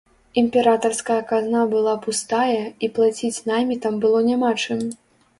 Імператарская казна была пустая, і плаціць наймітам было няма чым.